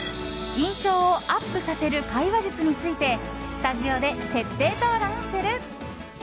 印象をアップさせる会話術についてスタジオで徹底討論する！